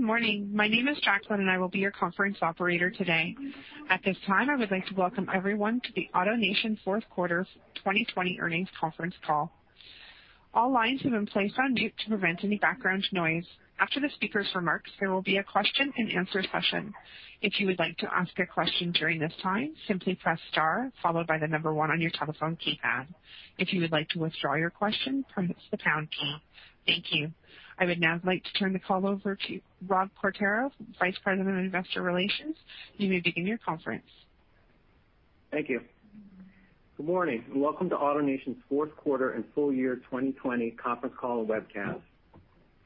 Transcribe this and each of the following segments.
Good morning. My name is Jacqueline, and I will be your conference operator today. At this time, I would like to welcome everyone to the AutoNation fourth quarter 2020 earnings conference call. All lines have been placed on mute to prevent any background noise. After the speaker's remarks, there will be a question-and-answer session. If you would like to ask a question during this time, simply press star followed by the number one on your telephone keypad. If you would like to withdraw your question, press the pound key. Thank you. I would now like to turn the call over to Rob Quartaro, Vice President of Investor Relations. You may begin your conference. Thank you. Good morning and welcome to AutoNation's fourth quarter and full-year 2020 conference call and webcast.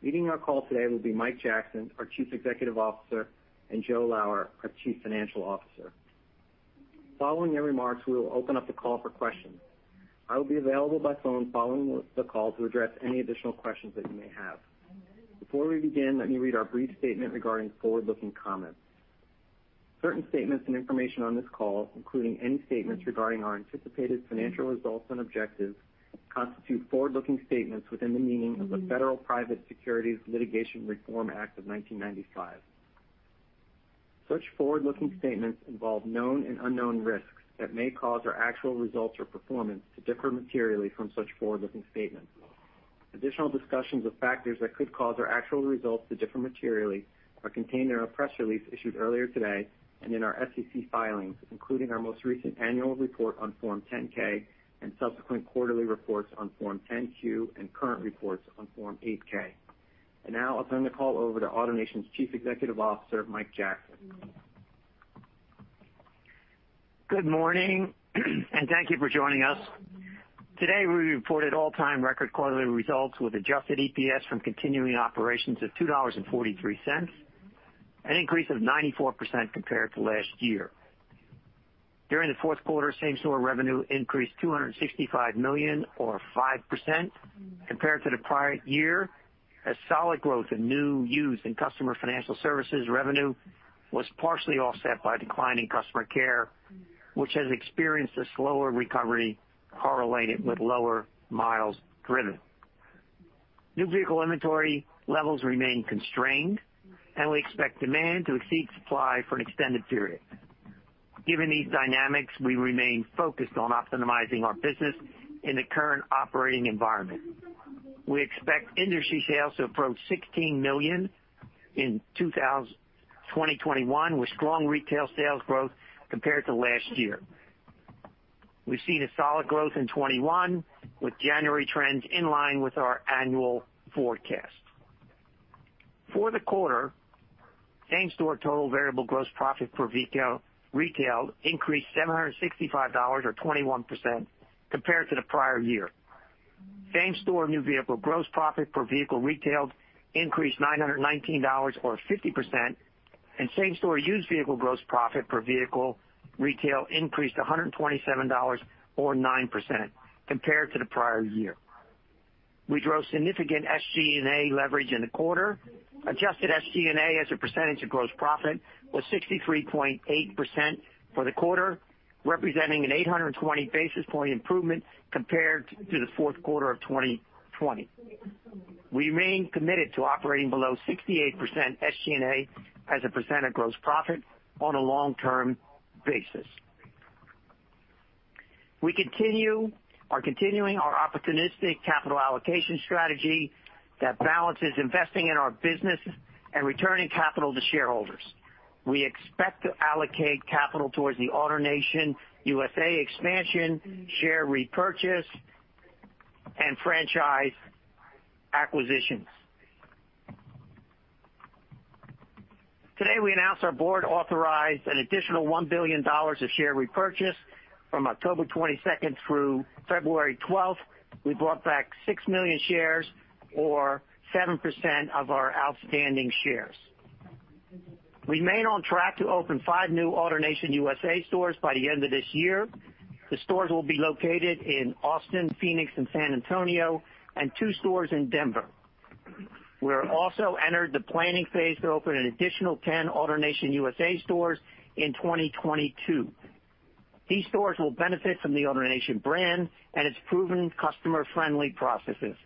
Leading our call today will be Mike Jackson, our Chief Executive Officer, and Joe Lower, our Chief Financial Officer. Following their remarks, we will open up the call for questions. I will be available by phone following the call to address any additional questions that you may have. Before we begin, let me read our brief statement regarding forward-looking comments. Certain statements and information on this call, including any statements regarding our anticipated financial results and objectives, constitute forward-looking statements within the meaning of the Federal Private Securities Litigation Reform Act of 1995. Such forward-looking statements involve known and unknown risks that may cause our actual results or performance to differ materially from such forward-looking statements. Additional discussions of factors that could cause our actual results to differ materially are contained in our press release issued earlier today and in our SEC filings, including our most recent annual report on Form 10-K and subsequent quarterly reports on Form 10-Q and current reports on Form 8-K. And now I'll turn the call over to AutoNation's Chief Executive Officer, Mike Jackson. Good morning and thank you for joining us. Today we reported all-time record quarterly results with Adjusted EPS from continuing operations of $2.43, an increase of 94% compared to last year. During the fourth quarter, same-store revenue increased $265 million, or 5%, compared to the prior year. A solid growth in new, used, and Customer Financial Services revenue was partially offset by declining Customer Care, which has experienced a slower recovery correlated with lower miles driven. New vehicle inventory levels remain constrained, and we expect demand to exceed supply for an extended period. Given these dynamics, we remain focused on optimizing our business in the current operating environment. We expect industry sales to approach 16 million in 2021, with strong retail sales growth compared to last year. We've seen a solid growth in 2021, with January trends in line with our annual forecast. For the quarter, same-store total variable gross profit per retail increased $765, or 21%, compared to the prior year. Same-store new vehicle gross profit per vehicle retailed increased $919, or 50%, and same-store used vehicle gross profit per vehicle retail increased $127, or 9%, compared to the prior year. We drove significant SG&A leverage in the quarter. Adjusted SG&A as a percentage of gross profit was 63.8% for the quarter, representing an 820 basis point improvement compared to the fourth quarter of 2020. We remain committed to operating below 68% SG&A as a percent of gross profit on a long-term basis. We are continuing our opportunistic capital allocation strategy that balances investing in our business and returning capital to shareholders. We expect to allocate capital towards the AutoNation USA expansion, share repurchase, and franchise acquisitions. Today we announced our board authorized an additional $1 billion of share repurchase from October 22nd through February 12th. We bought back six million shares, or 7% of our outstanding shares. We remain on track to open five new AutoNation USA stores by the end of this year. The stores will be located in Austin, Phoenix, and San Antonio, and two stores in Denver. We've also entered the planning phase to open an additional 10 AutoNation USA stores in 2022. These stores will benefit from the AutoNation brand and its proven customer-friendly processes.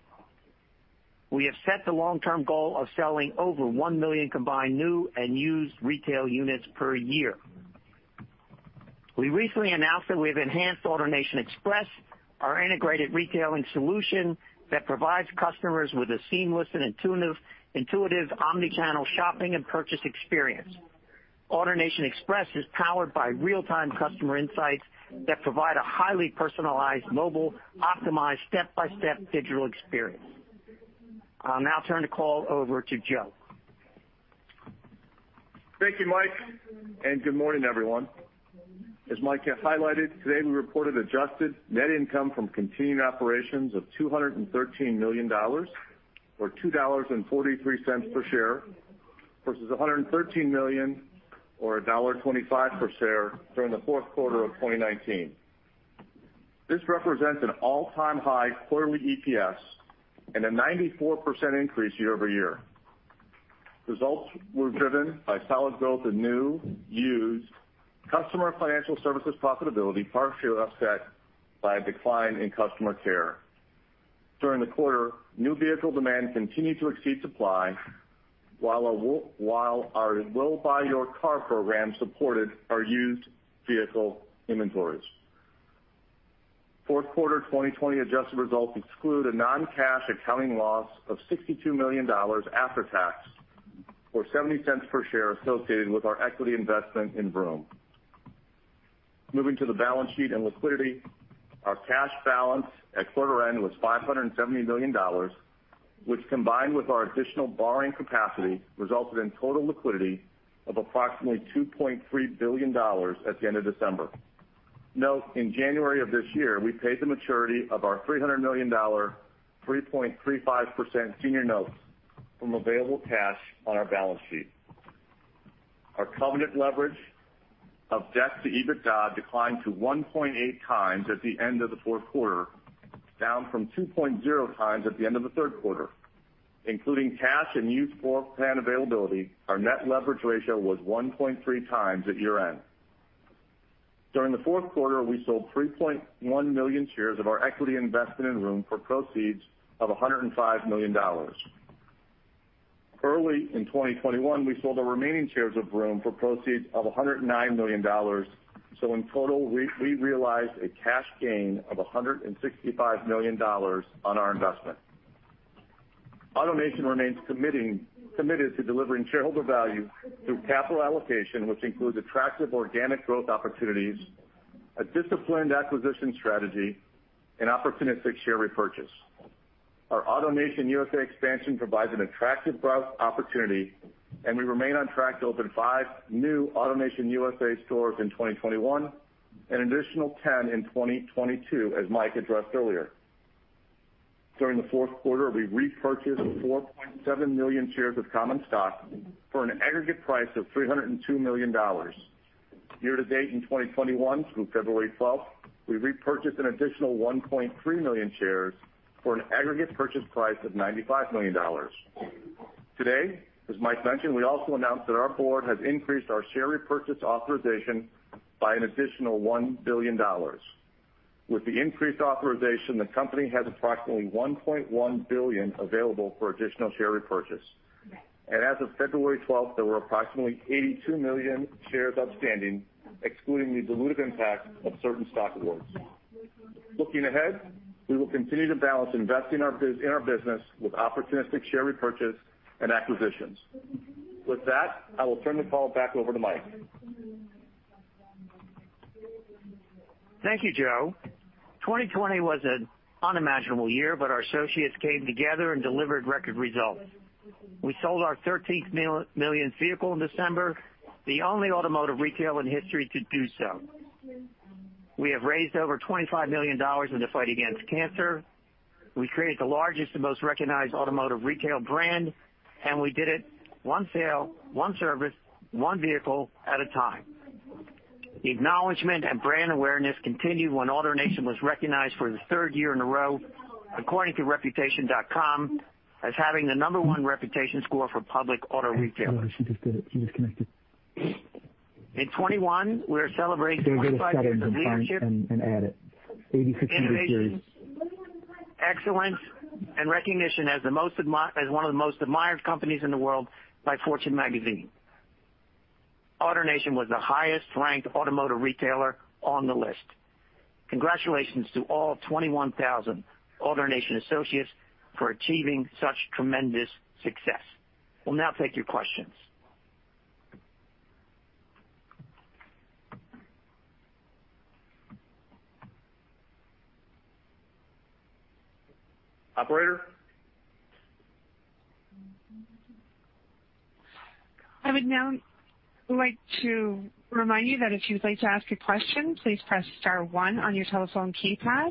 We have set the long-term goal of selling over million combined new and used retail units per year. We recently announced that we have enhanced AutoNation Express, our integrated retailing solution that provides customers with a seamless and intuitive omnichannel shopping and purchase experience. AutoNation Express is powered by real-time customer insights that provide a highly personalized, mobile-optimized step-by-step digital experience. I'll now turn the call over to Joe. Thank you, Mike, and good morning, everyone. As Mike has highlighted, today we reported adjusted net income from continuing operations of $213 million, or $2.43 per share, versus $113 million, or $1.25 per share during the fourth quarter of 2019. This represents an all-time high quarterly EPS and a 94% increase year-over-year. Results were driven by solid growth in new and used customer financial services profitability, partially offset by a decline in customer care. During the quarter, new vehicle demand continued to exceed supply, while our We Buy Your Car program supported our used vehicle inventories. Fourth quarter 2020 adjusted results exclude a non-cash accounting loss of $62 million after-tax, or $0.70 per share, associated with our equity investment in Vroom. Moving to the balance sheet and liquidity, our cash balance at quarter end was $570 million, which combined with our additional borrowing capacity resulted in total liquidity of approximately $2.3 billion at the end of December. Note in January of this year, we paid the maturity of our $300 million, 3.35% senior notes from available cash on our balance sheet. Our covenant leverage of debt to EBITDA declined to 1.8x at the end of the fourth quarter, down from 2.0x at the end of the third quarter. Including cash and use plan availability, our net leverage ratio was 1.3x at year-end. During the fourth quarter, we sold 3.1 million shares of our equity investment in Vroom for proceeds of $105 million. Early in 2021, we sold the remaining shares of Vroom for proceeds of $109 million, so in total, we realized a cash gain of $165 million on our investment. AutoNation remains committed to delivering shareholder value through capital allocation, which includes attractive organic growth opportunities, a disciplined acquisition strategy, and opportunistic share repurchase. Our AutoNation USA expansion provides an attractive growth opportunity, and we remain on track to open five new AutoNation USA stores in 2021 and additional 10 in 2022, as Mike addressed earlier. During the fourth quarter, we repurchased 4.7 million shares of common stock for an aggregate price of $302 million. Year-to-date in 2021, through February 12th, we repurchased an additional 1.3 million shares for an aggregate purchase price of $95 million. Today, as Mike mentioned, we also announced that our board has increased our share repurchase authorization by an additional $1 billion. With the increased authorization, the company has approximately $1.1 billion available for additional share repurchase. And as of February 12th, there were approximately 82 million shares outstanding, excluding the dilutive impact of certain stock awards. Looking ahead, we will continue to balance investing in our business with opportunistic share repurchase and acquisitions. With that, I will turn the call back over to Mike. Thank you, Joe. 2020 was an unimaginable year, but our associates came together and delivered record results. We sold our 13 millionth vehicle in December, the only automotive retail in history to do so. We have raised over $25 million in the fight against cancer. We created the largest and most recognized automotive retail brand, and we did it one sale, one service, one vehicle at a time. The acknowledgment and brand awareness continued when AutoNation was recognized for the third year in a row, according to reputation.com, as having the number one reputation score for public auto retailers. In 2021, we are celebrating 50 years of leadership, excellence and recognition as one of the most admired companies in the world by Fortune Magazine. AutoNation was the highest-ranked automotive retailer on the list. Congratulations to all 21,000 AutoNation associates for achieving such tremendous success. We'll now take your questions. Operator. I would now like to remind you that if you'd like to ask a question, please press star one on your telephone keypad.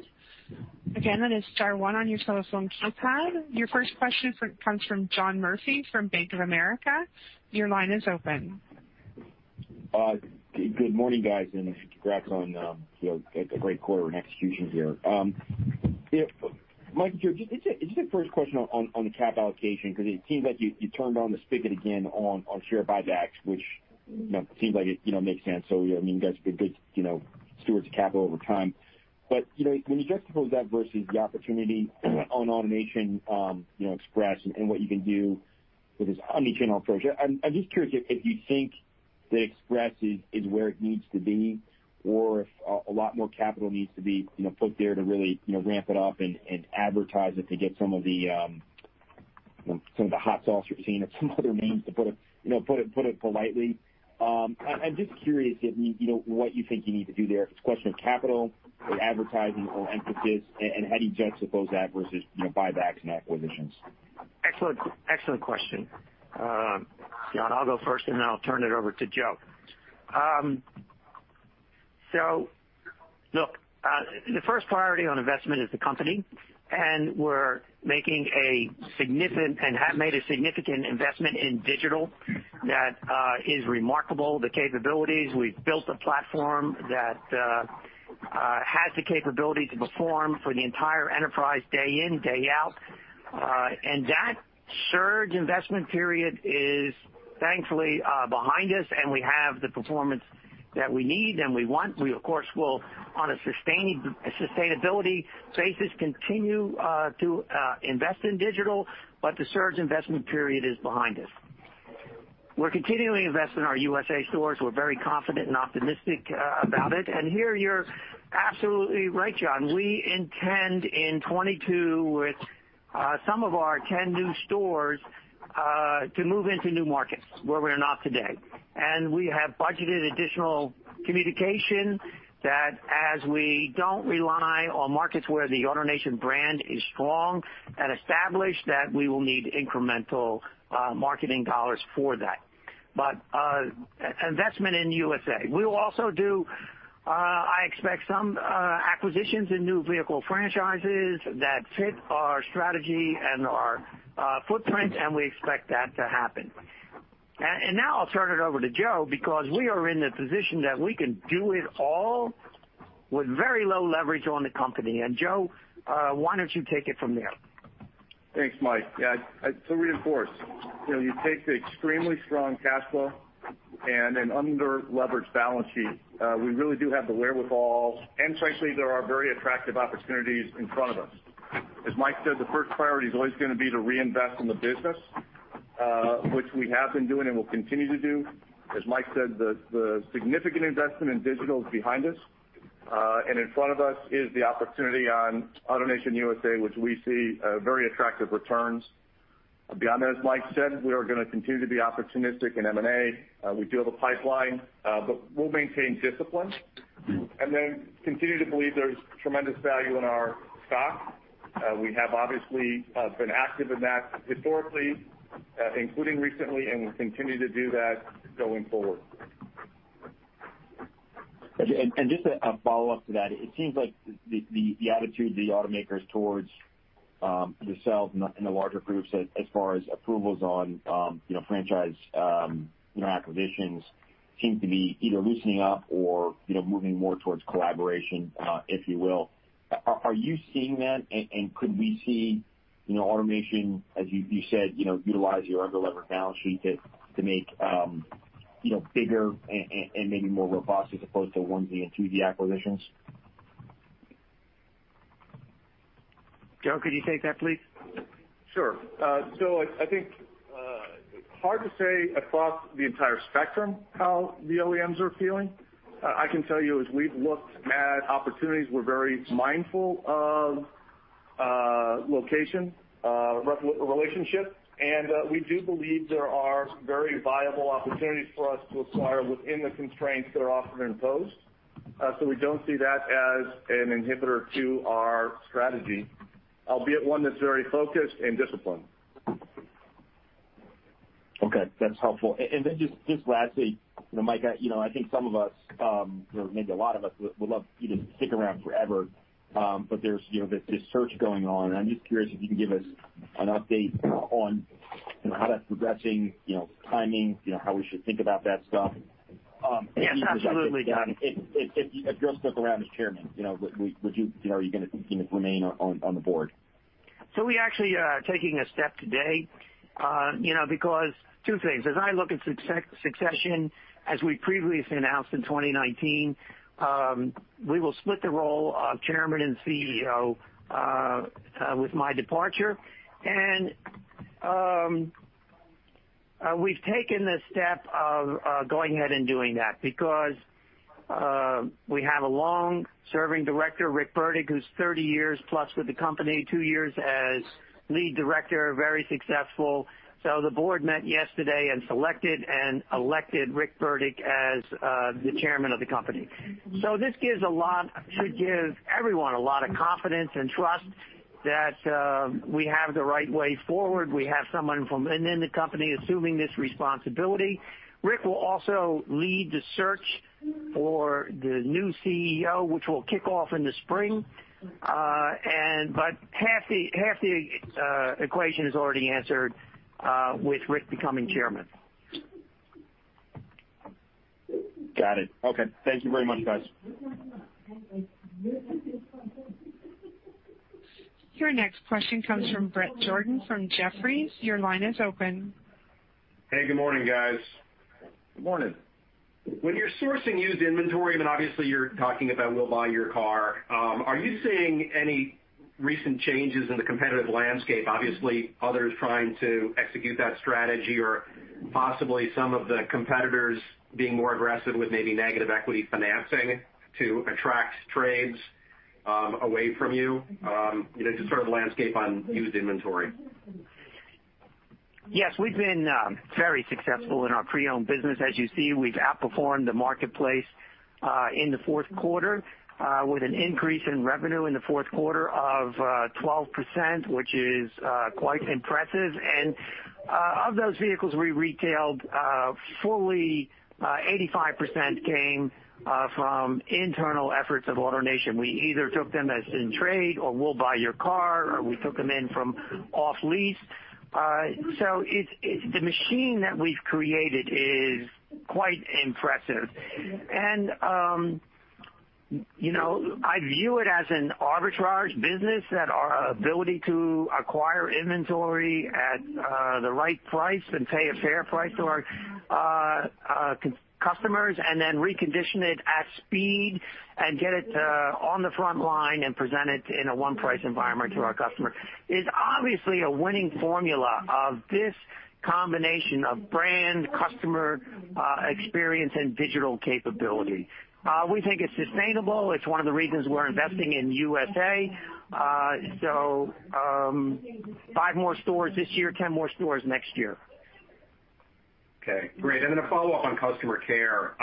Again, that is star one on your telephone keypad. Your first question comes from John Murphy from Bank of America. Your line is open. Good morning, guys, and congrats on a great quarter and execution here. Mike, Joe, just a quick question on the cap allocation, because it seems like you turned on the spigot again on share buybacks, which seems like it makes sense. So, I mean, you guys have been good stewards of capital over time. But when you juxtapose that versus the opportunity on AutoNation Express and what you can do with this omnichannel approach, I'm just curious if you think that Express is where it needs to be, or if a lot more capital needs to be put there to really ramp it up and advertise it to get some of the hot sauce, you know, some other names to put it politely. I'm just curious what you think you need to do there. If it's a question of capital, or advertising, or emphasis, and how do you juxtapose that versus buybacks and acquisitions? Excellent question. John, I'll go first, and then I'll turn it over to Joe. So, look, the first priority on investment is the company, and we're making a significant and have made a significant investment in Digital that is remarkable, the capabilities. We've built a platform that has the capability to perform for the entire enterprise day in, day out. And that surge investment period is thankfully behind us, and we have the performance that we need and we want. We, of course, will, on a sustainability basis, continue to invest in Digital, but the surge investment period is behind us. We're continuing to invest in our USA stores. We're very confident and optimistic about it. And here you're absolutely right, John. We intend in 2022, with some of our 10 new stores, to move into new markets where we're not today. And we have budgeted additional communication that, as we don't rely on markets where the AutoNation brand is strong and established, that we will need incremental marketing dollars for that. But investment in USA. We will also do, I expect, some acquisitions in new vehicle franchises that fit our strategy and our footprint, and we expect that to happen. And now I'll turn it over to Joe, because we are in the position that we can do it all with very low leverage on the company. And Joe, why don't you take it from there? Thanks, Mike. Yeah, to reinforce, you take the extremely strong cash flow and an under-leveraged balance sheet. We really do have the wherewithal, and frankly, there are very attractive opportunities in front of us. As Mike said, the first priority is always going to be to reinvest in the business, which we have been doing and will continue to do. As Mike said, the significant investment in digital is behind us, and in front of us is the opportunity on AutoNation USA, which we see very attractive returns. Beyond that, as Mike said, we are going to continue to be opportunistic in M&A. We do have a pipeline, but we'll maintain discipline. And then continue to believe there's tremendous value in our stock. We have obviously been active in that historically, including recently, and we'll continue to do that going forward. Just a follow-up to that, it seems like the attitude of the automakers towards you and the larger groups, as far as approvals on franchise acquisitions, seem to be either loosening up or moving more towards collaboration, if you will. Are you seeing that, and could we see AutoNation, as you said, utilize your under-leveraged balance sheet to make bigger and maybe more robust as opposed to one of the enthusiast acquisitions? Joe, could you take that, please? Sure. So I think it's hard to say across the entire spectrum how the OEMs are feeling. I can tell you, as we've looked at opportunities, we're very mindful of location relationships, and we do believe there are very viable opportunities for us to acquire within the constraints that are often imposed. So we don't see that as an inhibitor to our strategy, albeit one that's very focused and disciplined. Okay, that's helpful. And then just lastly, Mike, I think some of us, or maybe a lot of us, would love you to stick around forever, but there's this search going on. And I'm just curious if you can give us an update on how that's progressing, timing, how we should think about that stuff? Absolutely, John. If Joe's still around as chairman, would you be able to remain on the board? We actually are taking a step today, because two things. As I look at succession, as we previously announced in 2019, we will split the role of Chairman and CEO with my departure. We've taken the step of going ahead and doing that, because we have a long-serving director, Rick Burdick, who's 30 years plus with the company, two years as lead director, very successful. The board met yesterday and selected and elected Rick Burdick as the Chairman of the company. This gives a lot should give everyone a lot of confidence and trust that we have the right way forward. We have someone from within the company assuming this responsibility. Rick will also lead the search for the new CEO, which will kick off in the spring. Half the equation is already answered with Rick becoming Chairman. Got it. Okay, thank you very much, guys. Your next question comes from Bret Jordan from Jefferies. Your line is open. Hey, good morning, guys. Good morning. When you're sourcing used inventory, I mean, obviously, you're talking about, "We Buy Your Car." Are you seeing any recent changes in the competitive landscape, obviously, others trying to execute that strategy, or possibly some of the competitors being more aggressive with maybe negative equity financing to attract trades away from you, to sort of landscape on used inventory? Yes, we've been very successful in our pre-owned business. As you see, we've outperformed the marketplace in the fourth quarter with an increase in revenue in the fourth quarter of 12%, which is quite impressive, and of those vehicles we retailed, fully 85% came from internal efforts of AutoNation. We either took them as in trade or We Buy Your Car, or we took them in from off-lease, so the machine that we've created is quite impressive, and I view it as an arbitrage business, that our ability to acquire inventory at the right price and pay a fair price to our customers, and then recondition it at speed and get it on the front line and present it in a one-price environment to our customer, is obviously a winning formula of this combination of brand, customer experience, and digital capability. We think it's sustainable. It's one of the reasons we're investing in USA. So five more stores this year, 10 more stores next year. Okay, great. And then a follow-up on Customer Care.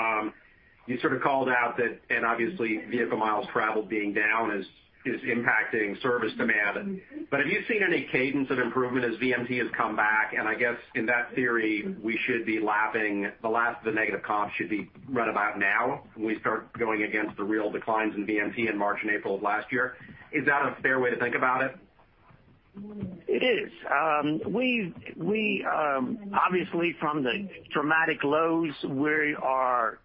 You sort of called out that, and obviously, vehicle miles traveled being down is impacting service demand. But have you seen any cadence of improvement as VMT has come back? And I guess, in that theory, we should be lapping the last of the negative comps should be run about now when we start going against the real declines in VMT in March and April of last year. Is that a fair way to think about it? It is. Obviously, from the dramatic lows, we are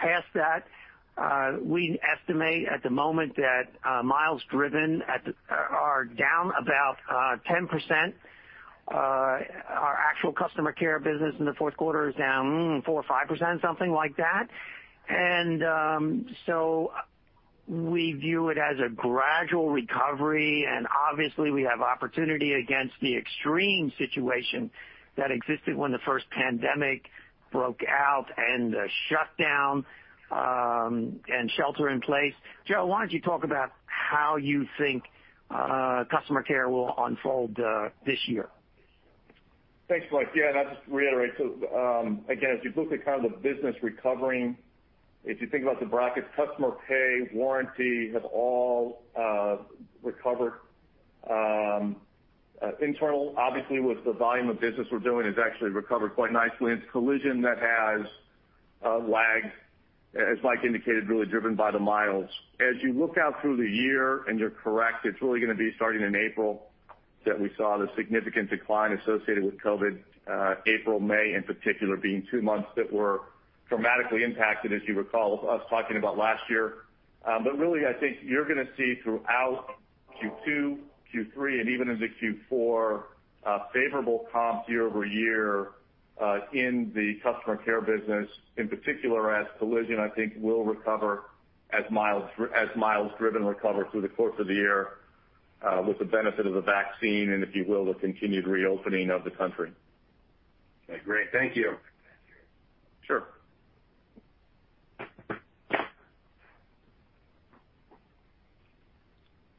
past that. We estimate at the moment that miles driven are down about 10%. Our actual customer care business in the fourth quarter is down 4% or 5%, something like that. And so we view it as a gradual recovery. And obviously, we have opportunity against the extreme situation that existed when the first pandemic broke out and the shutdown and shelter-in-place. Joe, why don't you talk about how you think customer care will unfold this year? Thanks, Mike. Yeah, and I'll just reiterate. So again, as you look at kind of the business recovering, if you think about the buckets, customer pay, warranty have all recovered. Internal, obviously, with the volume of business we're doing, has actually recovered quite nicely. It's Collision that has lagged, as Mike indicated, really driven by the miles. As you look out through the year, and you're correct, it's really going to be starting in April that we saw the significant decline associated with COVID. April, May, in particular, being two months that were dramatically impacted, as you recall, with us talking about last year. But really, I think you're going to see throughout Q2, Q3, and even into Q4, favorable comps year-over-year in the Customer Care business. In particular, as Collision, I think, will recover as miles driven recover through the course of the year with the benefit of the vaccine and, if you will, the continued reopening of the country. Okay, great. Thank you. Sure.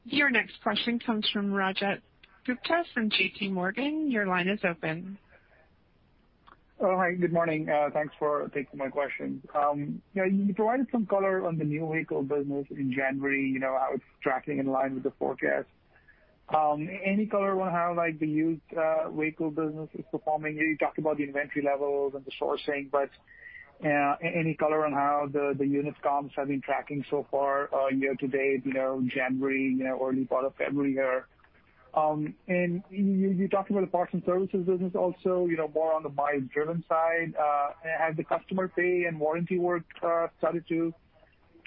Your next question comes from Rajat Gupta from JPMorgan. Your line is open. Oh, hi. Good morning. Thanks for taking my question. You provided some color on the new vehicle business in January, how it's tracking in line with the forecast. Any color on how the used vehicle business is performing? You talked about the inventory levels and the sourcing, but any color on how the unit comps have been tracking so far year to date, January, early part of February here? And you talked about the parts and services business also, more on the miles driven side. Has the customer pay and warranty work started to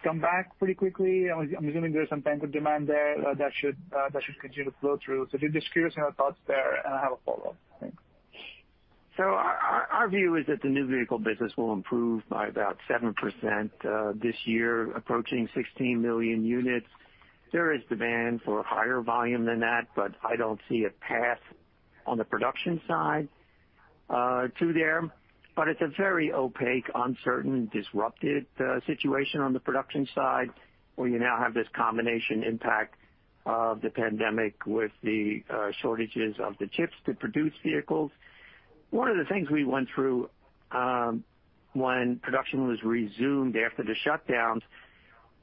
come back pretty quickly? I'm assuming there's some bank of demand there that should continue to flow through. So just curious on your thoughts there, and I have a follow-up. Thanks. Our view is that the new vehicle business will improve by about 7% this year, approaching 16 million units. There is demand for higher volume than that, but I don't see a path on the production side to there. But it's a very opaque, uncertain, disrupted situation on the production side where you now have this combination impact of the pandemic with the shortages of the chips to produce vehicles. One of the things we went through when production was resumed after the shutdowns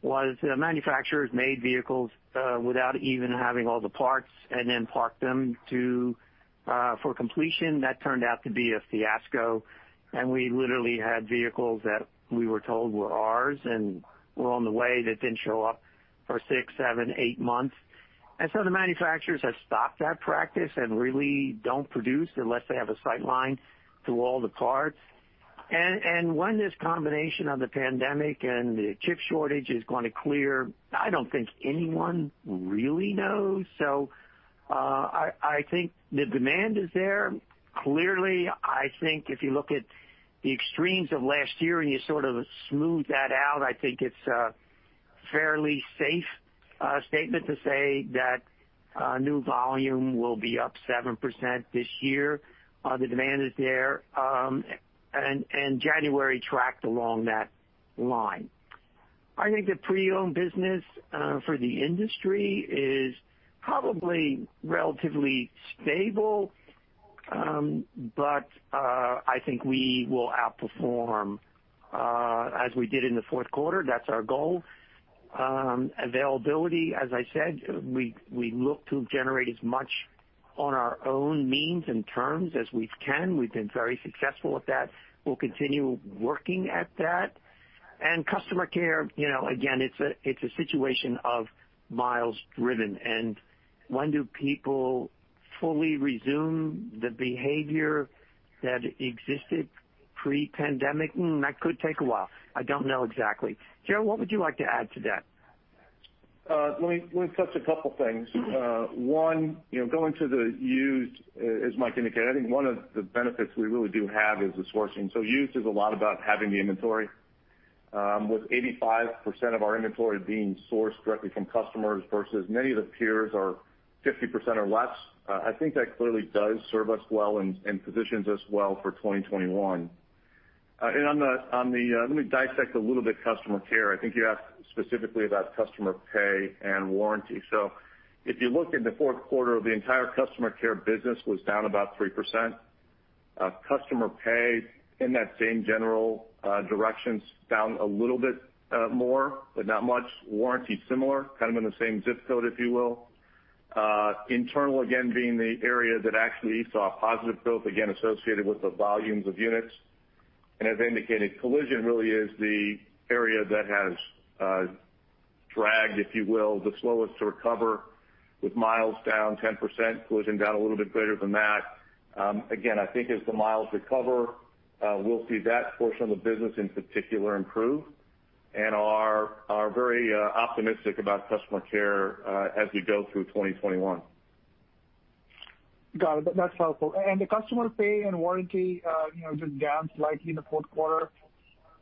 was manufacturers made vehicles without even having all the parts and then parked them for completion. That turned out to be a fiasco. And we literally had vehicles that we were told were ours and were on the way that didn't show up for six, seven, eight months. And so the manufacturers have stopped that practice and really don't produce unless they have a sight line to all the parts. And when this combination of the pandemic and the chip shortage is going to clear, I don't think anyone really knows. So I think the demand is there. Clearly, I think if you look at the extremes of last year and you sort of smooth that out, I think it's a fairly safe statement to say that new volume will be up 7% this year. The demand is there, and January tracked along that line. I think the pre-owned business for the industry is probably relatively stable, but I think we will outperform as we did in the fourth quarter. That's our goal. Availability, as I said, we look to generate as much on our own means and terms as we can. We've been very successful at that. We'll continue working at that. And Customer Care, again, it's a situation of miles driven. And when do people fully resume the behavior that existed pre-pandemic? That could take a while. I don't know exactly. Joe, what would you like to add to that? Let me touch a couple of things. One, going to the used, as Mike indicated, I think one of the benefits we really do have is the sourcing. So used is a lot about having the inventory. With 85% of our inventory being sourced directly from customers versus many of the peers are 50% or less, I think that clearly does serve us well and positions us well for 2021. And on the, let me dissect a little bit customer care. I think you asked specifically about customer pay and warranty. So if you look in the fourth quarter, the entire Customer Care business was down about 3%. Customer Pay in that same general direction's down a little bit more, but not much. Warranty similar, kind of in the same zip code, if you will. Internally, again, being the area that actually saw positive growth, again, associated with the volumes of units. And as I indicated, collision really is the area that has dragged, if you will, the slowest to recover with miles down 10%, collision down a little bit greater than that. Again, I think as the miles recover, we'll see that portion of the business in particular improve. And we're very optimistic about Customer Care as we go through 2021. Got it. That's helpful. And the customer pay and warranty just down slightly in the fourth quarter.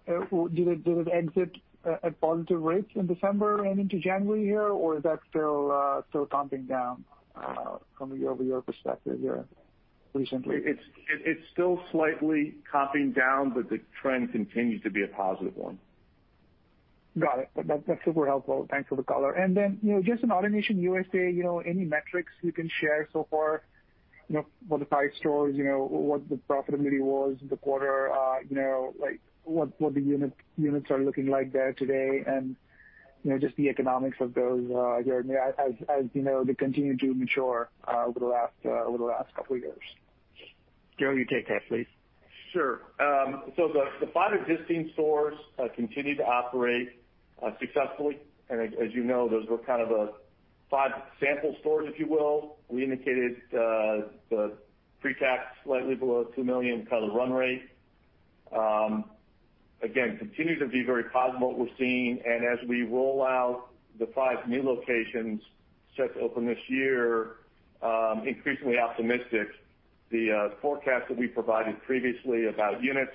Did it exit at positive rates in December and into January here, or is that still comping down from your perspective here recently? It's still slightly comping down, but the trend continues to be a positive one. Got it. That's super helpful. Thanks for the color. And then just in AutoNation USA, any metrics you can share so far for the five stores, what the profitability was in the quarter, what the units are looking like there today, and just the economics of those as they continue to mature over the last couple of years? Joe, you take that, please. Sure. So the five existing stores continue to operate successfully. And as you know, those were kind of five sample stores, if you will. We indicated the pre-tax slightly below $2 million kind of run rate. Again, continues to be very positive what we're seeing. And as we roll out the five new locations set to open this year, increasingly optimistic. The forecast that we provided previously about units,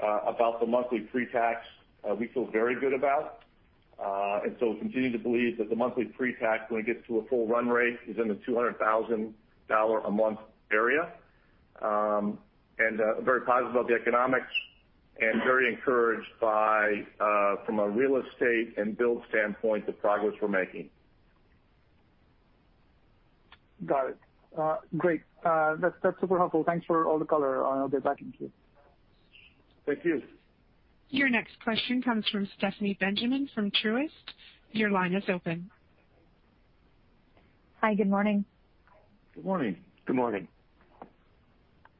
about the monthly pre-tax, we feel very good about. And so we continue to believe that the monthly pre-tax when it gets to a full run rate is in the $200,000 a month area. And very positive about the economics and very encouraged by, from a real estate and build standpoint, the progress we're making. Got it. Great. That's super helpful. Thanks for all the color. I'll get back into it. Thank you. Your next question comes from Stephanie Benjamin from Truist. Your line is open. Hi, good morning. Good morning. Good morning.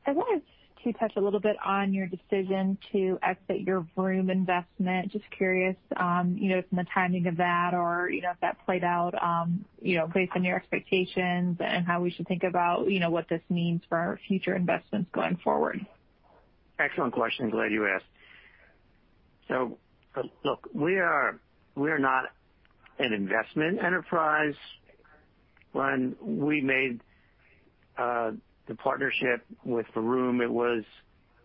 I wanted to touch a little bit on your decision to exit your Vroom investment. Just curious from the timing of that or if that played out based on your expectations and how we should think about what this means for our future investments going forward? Excellent question. Glad you asked. So look, we are not an investment enterprise. When we made the partnership with Vroom, it was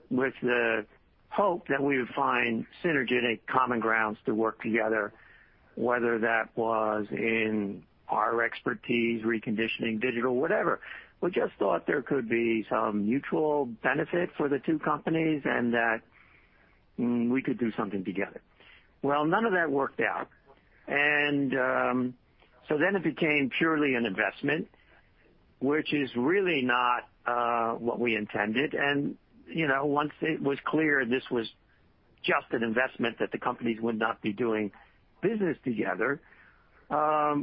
with the hope that we would find synergistic common ground to work together, whether that was in our expertise, reconditioning, digital, whatever. We just thought there could be some mutual benefit for the two companies and that we could do something together. Well, none of that worked out. And so then it became purely an investment, which is really not what we intended. And once it was clear this was just an investment that the companies would not be doing business together,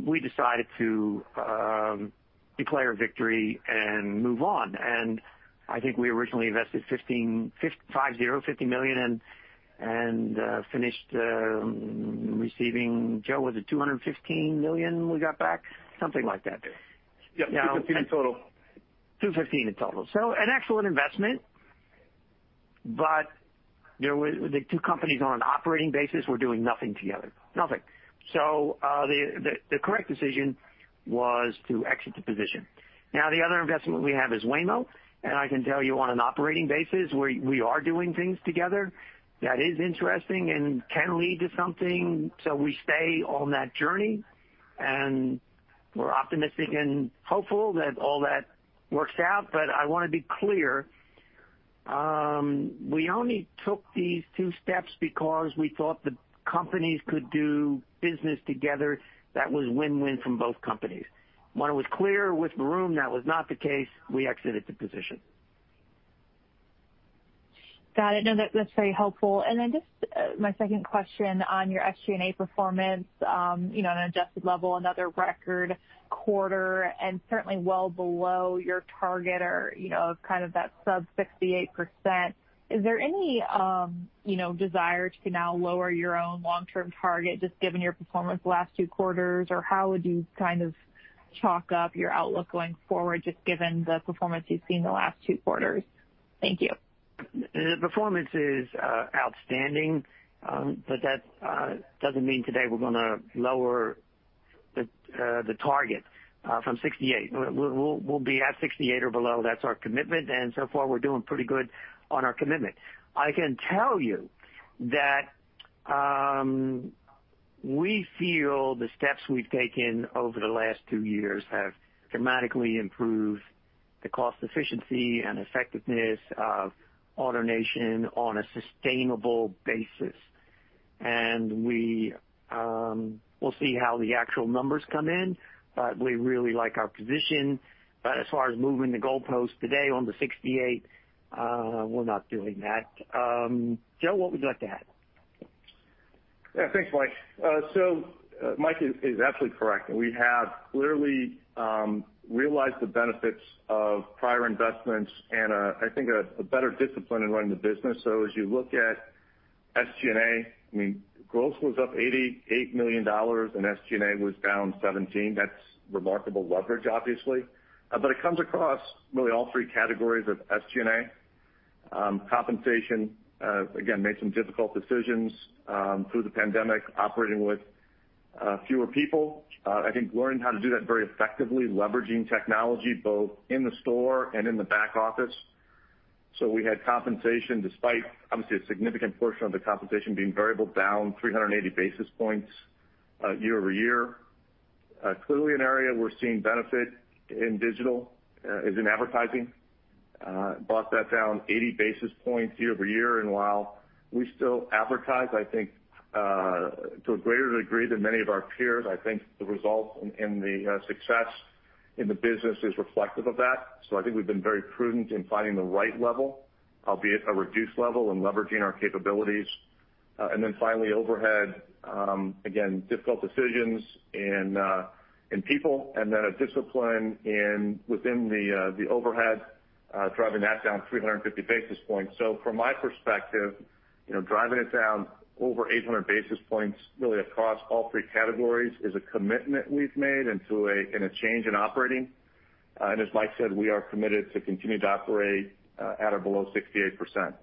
we decided to declare a victory and move on. And I think we originally invested $50 million, and finished receiving, Joe, was it $215 million we got back? Something like that. Yeah, $215 miilion in total. $215 million in total. So an excellent investment, but the two companies on an operating basis were doing nothing together. Nothing. So the correct decision was to exit the position. Now, the other investment we have is Waymo. And I can tell you on an operating basis, we are doing things together. That is interesting and can lead to something. So we stay on that journey. And we're optimistic and hopeful that all that works out. But I want to be clear, we only took these two steps because we thought the companies could do business together. That was win-win from both companies. When it was clear with Vroom, that was not the case, we exited the position. Got it. No, that's very helpful. And then just my second question on your SG&A performance on an adjusted level, another record quarter, and certainly well below your target of kind of that sub 68%. Is there any desire to now lower your own long-term target just given your performance the last two quarters? Or how would you kind of chalk up your outlook going forward just given the performance you've seen the last two quarters? Thank you. The performance is outstanding, but that doesn't mean today we're going to lower the target from 68%. We'll be at 68% or below. That's our commitment. And so far, we're doing pretty good on our commitment. I can tell you that we feel the steps we've taken over the last two years have dramatically improved the cost efficiency and effectiveness of AutoNation on a sustainable basis. And we'll see how the actual numbers come in, but we really like our position. But as far as moving the goalpost today on the $68 million, we're not doing that. Joe, what would you like to add? Yeah, thanks, Mike. So Mike is absolutely correct. We have clearly realized the benefits of prior investments and, I think, a better discipline in running the business. So as you look at SG&A, I mean, gross was up $88 million, and SG&A was down $17 million. That's remarkable leverage, obviously. But it comes across really all three categories of SG&A. Compensation, again, made some difficult decisions through the pandemic, operating with fewer people. I think learning how to do that very effectively, leveraging technology both in the store and in the back office. So we had compensation, despite obviously a significant portion of the compensation being variable, down 380 basis points year-over-year. Clearly, an area we're seeing benefit in digital is in advertising. Brought that down 80 basis points year-over-year. While we still advertise, I think to a greater degree than many of our peers. I think the results and the success in the business is reflective of that. I think we've been very prudent in finding the right level, albeit a reduced level, and leveraging our capabilities. Then finally, overhead, again, difficult decisions in people, and then a discipline within the overhead, driving that down 350 basis points. From my perspective, driving it down over 800 basis points really across all three categories is a commitment we've made and a change in operating. As Mike said, we are committed to continue to operate at or below 68%.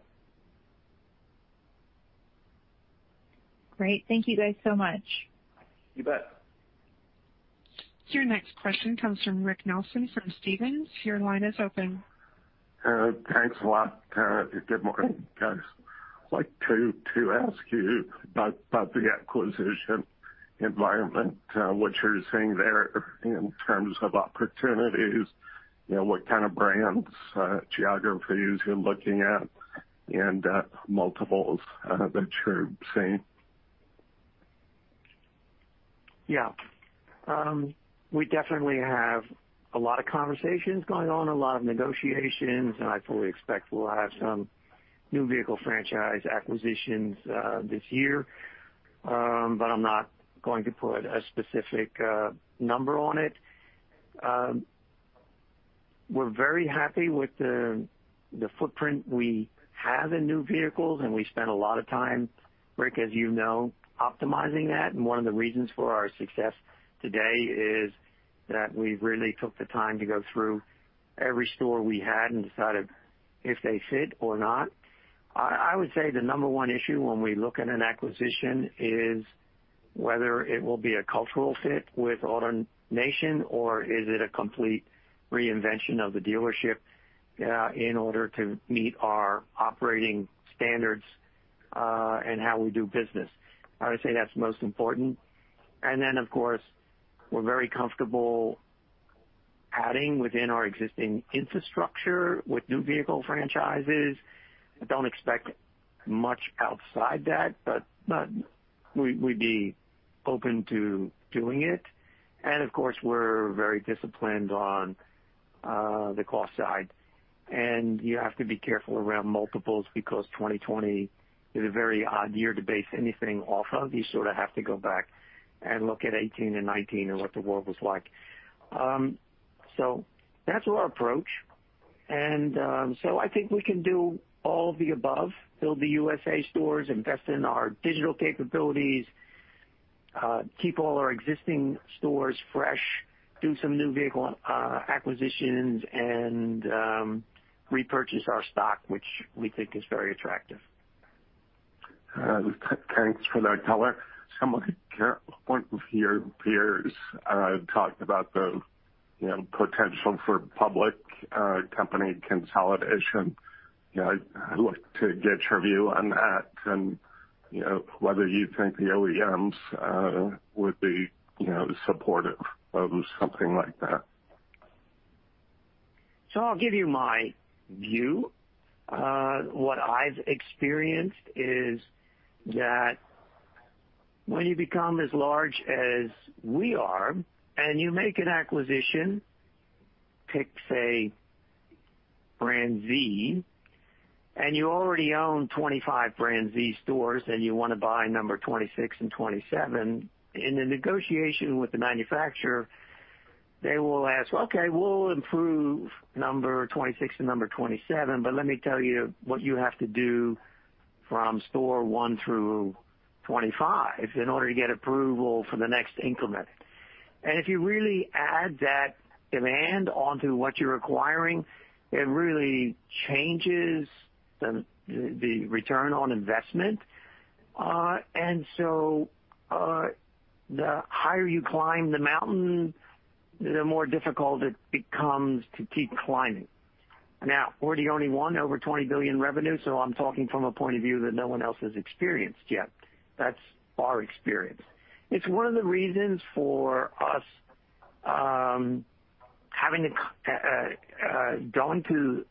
Great. Thank you guys so much. You bet. Your next question comes from Rick Nelson from Stephens. Your line is open. Thanks a lot. Good morning, guys. I'd like to ask you about the acquisition environment, what you're seeing there in terms of opportunities, what kind of brands, geographies you're looking at, and multiples that you're seeing. Yeah. We definitely have a lot of conversations going on, a lot of negotiations, and I fully expect we'll have some new vehicle franchise acquisitions this year, but I'm not going to put a specific number on it. We're very happy with the footprint we have in new vehicles, and we spent a lot of time, Rick, as you know, optimizing that. And one of the reasons for our success today is that we really took the time to go through every store we had and decided if they fit or not. I would say the number one issue when we look at an acquisition is whether it will be a cultural fit with AutoNation or is it a complete reinvention of the dealership in order to meet our operating standards and how we do business. I would say that's most important. And then, of course, we're very comfortable adding within our existing infrastructure with new vehicle franchises. I don't expect much outside that, but we'd be open to doing it. And of course, we're very disciplined on the cost side. And you have to be careful around multiples because 2020 is a very odd year to base anything off of. You sort of have to go back and look at 2018 and 2019 and what the world was like. So that's our approach. And so I think we can do all of the above, build the USA stores, invest in our digital capabilities, keep all our existing stores fresh, do some new vehicle acquisitions, and repurchase our stock, which we think is very attractive. Thanks for that color. Some of your peers talked about the potential for public company consolidation. I'd like to get your view on that and whether you think the OEMs would be supportive of something like that? I'll give you my view. What I've experienced is that when you become as large as we are and you make an acquisition, pick, say, brand Z, and you already own 25 brand Z stores and you want to buy number 26 and 27, in the negotiation with the manufacturer, they will ask, "Okay, we'll approve number 26 and number 27, but let me tell you what you have to do from store one through 25 in order to get approval for the next increment." And if you really add that demand onto what you're acquiring, it really changes the return on investment. And so the higher you climb the mountain, the more difficult it becomes to keep climbing. Now, we're the only one over $20 billion revenue, so I'm talking from a point of view that no one else has experienced yet. That's our experience. It's one of the reasons for us having gone to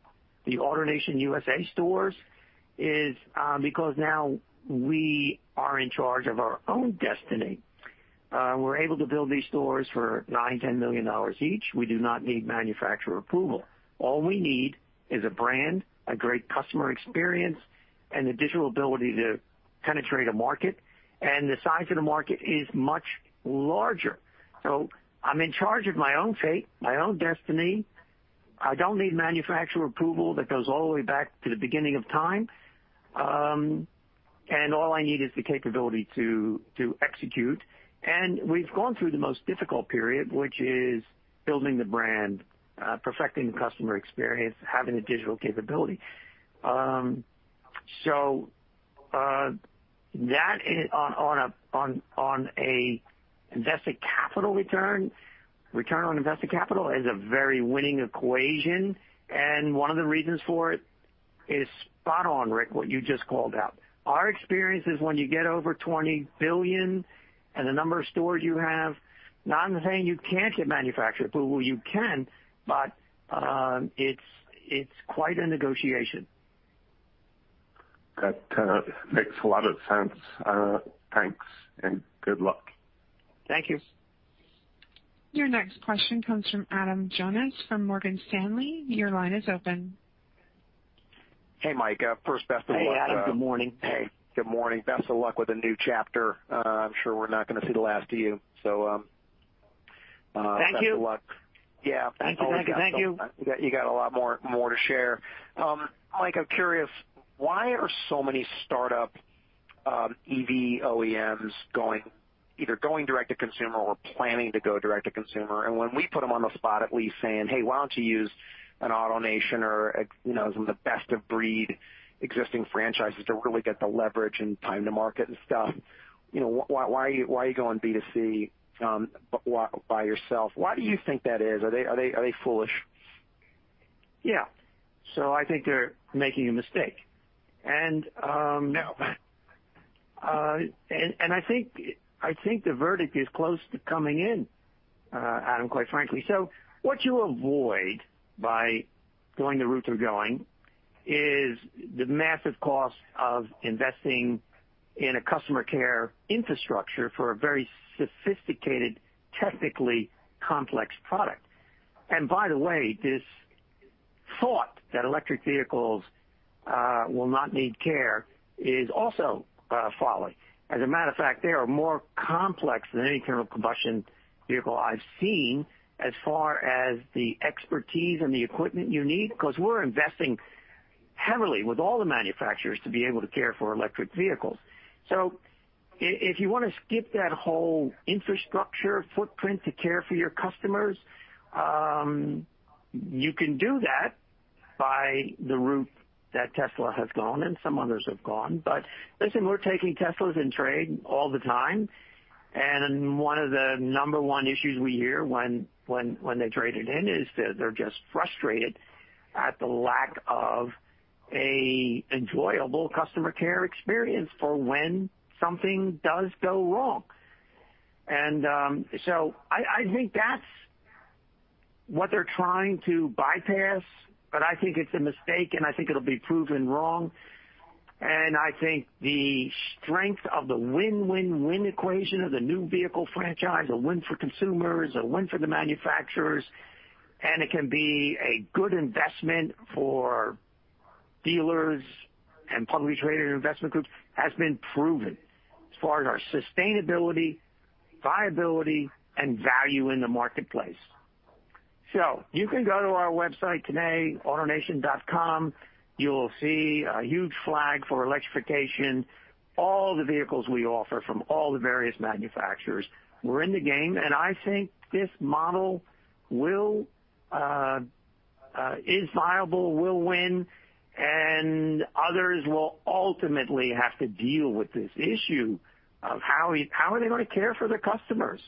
the AutoNation USA stores is because now we are in charge of our own destiny. We're able to build these stores for $9 million, $10 million each. We do not need manufacturer approval. All we need is a brand, a great customer experience, and the digital ability to penetrate a market. And the size of the market is much larger. So I'm in charge of my own fate, my own destiny. I don't need manufacturer approval that goes all the way back to the beginning of time. And all I need is the capability to execute. And we've gone through the most difficult period, which is building the brand, perfecting the customer experience, having a digital capability. So that on an invested capital return, return on invested capital is a very winning equation. One of the reasons for it is spot on, Rick, what you just called out. Our experience is when you get over $20 billion and the number of stores you have. Not that I'm saying you can't get manufacturer approval. You can, but it's quite a negotiation. That makes a lot of sense. Thanks and good luck. Thank you. Your next question comes from Adam Jonas from Morgan Stanley. Your line is open. Hey, Mike. First, best of luck. Hey, Adam. Good morning. Hey. Good morning. Best of luck with a new chapter. I'm sure we're not going to see the last of you. So best of luck. Thank you. Yeah. Thank you so much. Thank you. Thank you. You got a lot more to share. Mike, I'm curious, why are so many startup EV OEMs either going direct-to-consumer or planning to go direct-to-consumer? And when we put them on the spot, at least saying, "Hey, why don't you use an AutoNation or some of the best-of-breed existing franchises to really get the leverage and time to market and stuff? Why are you going B2C by yourself?" Why do you think that is? Are they foolish? Yeah. So I think they're making a mistake. And I think the verdict is close to coming in, Adam, quite frankly. So what you avoid by going the route you're going is the massive cost of investing in a Customer Care infrastructure for a very sophisticated, technically complex product. And by the way, this thought that electric vehicles will not need care is also folly. As a matter of fact, they are more complex than any internal combustion vehicle I've seen as far as the expertise and the equipment you need because we're investing heavily with all the manufacturers to be able to care for electric vehicles. So if you want to skip that whole infrastructure footprint to care for your customers, you can do that by the route that Tesla has gone and some others have gone. But listen, we're taking Tesla's in trade all the time. One of the number one issues we hear when they trade it in is that they're just frustrated at the lack of an enjoyable customer care experience for when something does go wrong. So I think that's what they're trying to bypass, but I think it's a mistake, and I think it'll be proven wrong. I think the strength of the win-win-win equation of the new vehicle franchise, a win for consumers, a win for the manufacturers, and it can be a good investment for dealers and publicly traded investment groups has been proven as far as our sustainability, viability, and value in the marketplace. You can go to our website today, autonation.com. You'll see a huge flag for electrification, all the vehicles we offer from all the various manufacturers. We're in the game, and I think this model is viable, will win, and others will ultimately have to deal with this issue of how are they going to care for their customers.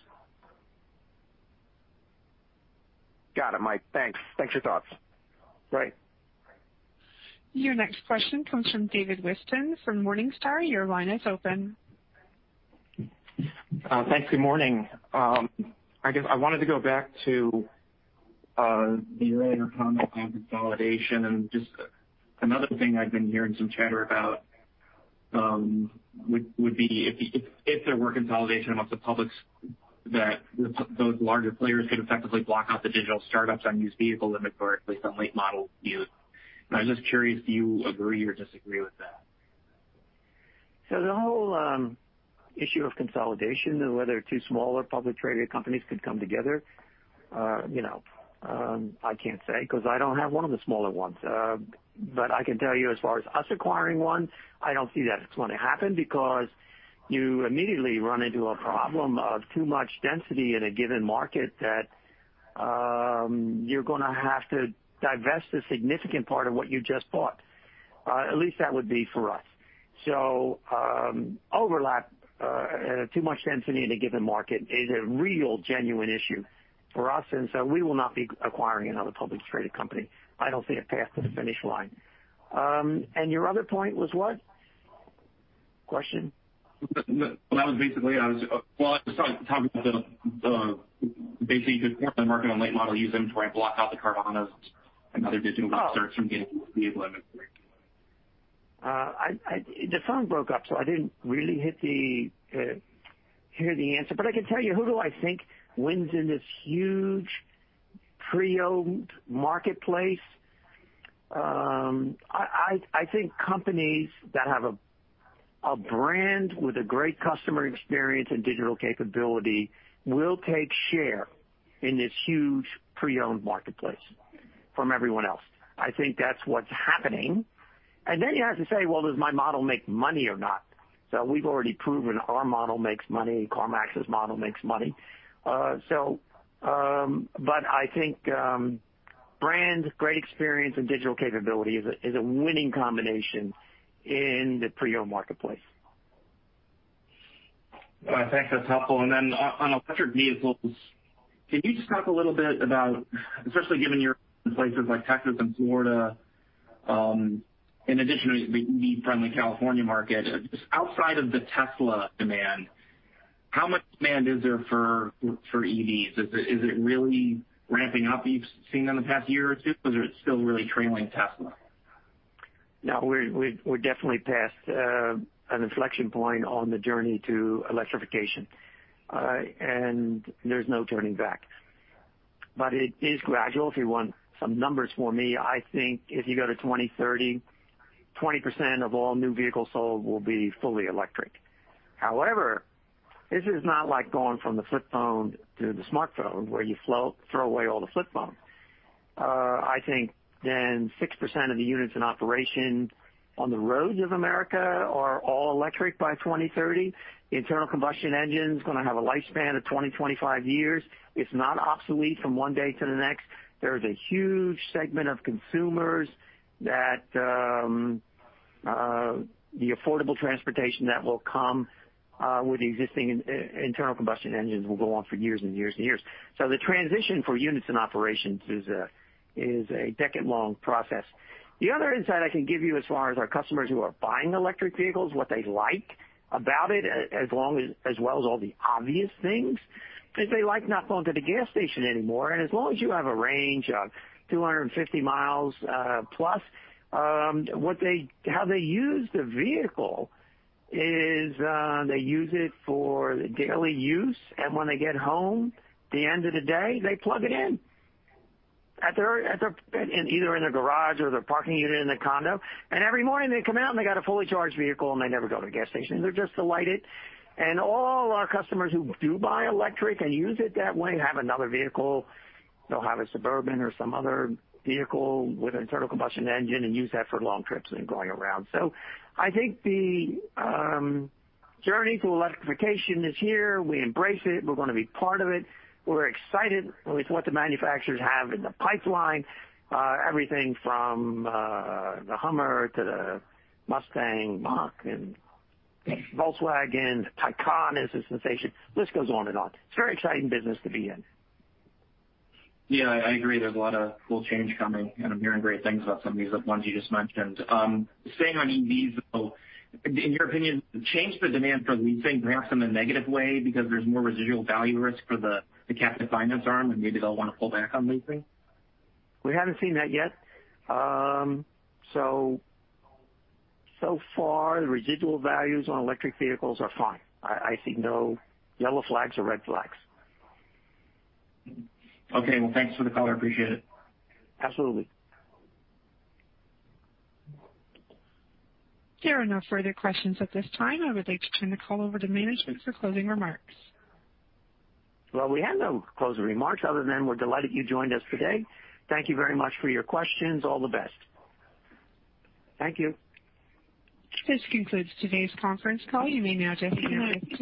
Got it, Mike. Thanks. Thanks for your thoughts. Great. Your next question comes from David Whiston from Morningstar. Your line is open. Thanks. Good morning. I guess I wanted to go back to the earlier comment on consolidation. And just another thing I've been hearing some chatter about would be if there were consolidation among the public, that those larger players could effectively block out the digital startups on used vehicles and make more at least on late-model used. And I was just curious if you agree or disagree with that? So the whole issue of consolidation and whether two smaller publicly traded companies could come together, I can't say because I don't have one of the smaller ones. But I can tell you as far as us acquiring one, I don't see that it's going to happen because you immediately run into a problem of too much density in a given market that you're going to have to divest a significant part of what you just bought. At least that would be for us. So overlap, too much density in a given market is a real genuine issue for us, and so we will not be acquiring another publicly traded company. I don't see it past the finish line. And your other point was what? Question? That was basically I was talking about the core of the market on late-model used to block out the Carvana and other digital retailers from getting vehicle inventory. The phone broke up, so I didn't really hear the answer. But I can tell you who do I think wins in this huge pre-owned marketplace. I think companies that have a brand with a great customer experience and digital capability will take share in this huge pre-owned marketplace from everyone else. I think that's what's happening. And then you have to say, "Well, does my model make money or not?" So we've already proven our model makes money. CarMax's model makes money. But I think brand, great experience, and digital capability is a winning combination in the pre-owned marketplace. Thanks. That's helpful. And then on electric vehicles, can you just talk a little bit about, especially given you're in places like Texas and Florida, in addition to the EV-friendly California market, just outside of the Tesla demand, how much demand is there for EVs? Is it really ramping up that you've seen in the past year or two, or is it still really trailing Tesla? No, we're definitely past an inflection point on the journey to electrification, and there's no turning back, but it is gradual. If you want some numbers for me, I think if you go to 2030, 20% of all new vehicles sold will be fully electric. However, this is not like going from the flip phone to the smartphone where you throw away all the flip phones. I think then 6% of the units in operation on the roads of America are all electric by 2030. Internal combustion engines are going to have a lifespan of 20, 25 years. It's not obsolete from one day to the next. There is a huge segment of consumers that the affordable transportation that will come with existing internal combustion engines will go on for years and years and years. So the transition for units in operations is a decade-long process. The other insight I can give you as far as our customers who are buying electric vehicles, what they like about it, as well as all the obvious things, is they like not going to the gas station anymore, and as long as you have a range of 250 mi+, how they use the vehicle is they use it for daily use, and when they get home, at the end of the day, they plug it in either in their garage or their parking unit in their condo. And every morning they come out and they got a fully charged vehicle and they never go to the gas station. They're just delighted, and all our customers who do buy electric and use it that way have another vehicle. They'll have a Suburban or some other vehicle with an internal combustion engine and use that for long trips and going around. So I think the journey to electrification is here. We embrace it. We're going to be part of it. We're excited with what the manufacturers have in the pipeline, everything from the Hummer to the Mustang, Mach, and Volkswagen. The Taycan is a sensation. The list goes on and on. It's a very exciting business to be in. Yeah, I agree. There's a lot of cool change coming, and I'm hearing great things about some of these ones you just mentioned. Staying on EVs, though, in your opinion, changed the demand for leasing perhaps in a negative way because there's more residual value risk for the captive finance arm and maybe they'll want to pull back on leasing? We haven't seen that yet. So far, the residual values on electric vehicles are fine. I see no yellow flags or red flags. Okay. Well, thanks for the call. I appreciate it. Absolutely. There are no further questions at this time. I would like to turn the call over to management for closing remarks. Well, we have no closing remarks other than we're delighted you joined us today. Thank you very much for your questions. All the best. Thank you. This concludes today's conference call. You may now disconnect.